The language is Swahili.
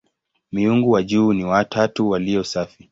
Miungu wa juu ni "watatu walio safi".